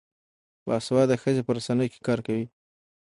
باسواده ښځې په رسنیو کې کار کوي.